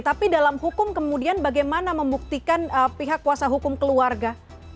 tapi dalam hukum kemudian bagaimana membuktikan pihak kuasa hukum keluarga